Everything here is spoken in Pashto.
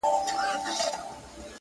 چا حاصلي مرتبې کړې چاته نوم د سړي پاته-